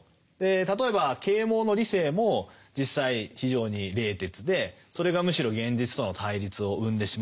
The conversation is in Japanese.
例えば啓蒙の理性も実際非常に冷徹でそれがむしろ現実との対立を生んでしまったわけですよね。